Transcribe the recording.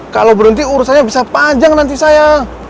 kalau berhenti urusannya bisa panjang nanti saya